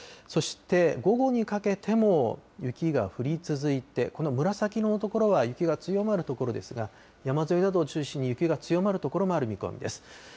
そして午後にかけても雪が降り続いて、この紫色の所は雪が強まる所ですが、山沿いなどを中心に、雪が強まる所もある見込みです。